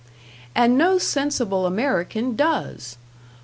And no sensible American does.